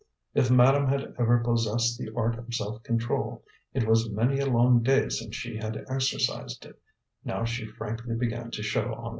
If madame had ever possessed the art of self control, it was many a long day since she had exercised it; now she frankly began to show ennui.